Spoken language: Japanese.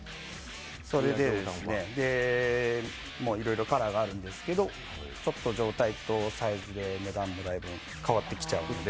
それで、いろいろカラーがあるんですけど状態とサイズで値段もだいぶ変わってきちゃうので。